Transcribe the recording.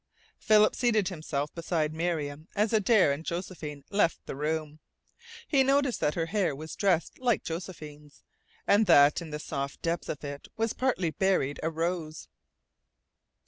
Philip seated himself beside Miriam as Adare and Josephine left the room. He noticed that her hair was dressed like Josephine's, and that in the soft depths of it was partly buried a rose.